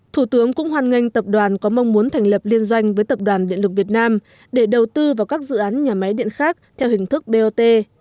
thủ tướng cũng hoan nghênh tập đoàn có mong muốn thành lập liên doanh với tập đoàn điện lực việt nam để đầu tư vào các dự án nhà máy điện khác theo hình thức bot